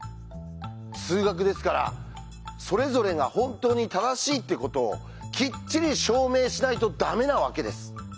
数学ですからそれぞれが本当に正しいってことをきっちり証明しないとダメなわけです。